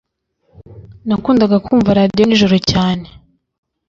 nakundaga kumva radio nijoro cyane.